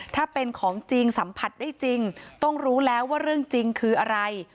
ถ้าเป็นของจริงสัมผัสได้จริงต้องรู้แล้วว่าเรื่องจริงคืออะไร